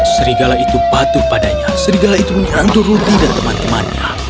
serigala itu patuh padanya serigala itu menyerang dorudi dan teman temannya